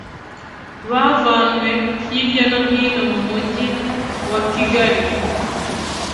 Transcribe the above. bavanywe hirya no hino mu Mujyi wa Kigali